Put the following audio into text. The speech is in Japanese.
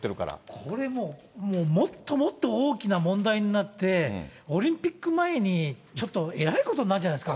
これもう、もっともっと大きな問題になって、オリンピック前に、ちょっとえらいことになるんじゃないですか？